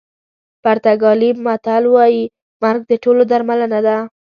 پرتګالي متل وایي مرګ د ټولو درملنه ده.